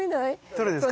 どれですか？